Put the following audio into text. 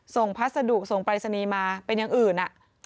ส่งพัสดุส่งปริศนีมาเป็นอย่างอื่นน่ะ